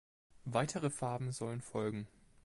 Weitere Farben sollen folgen.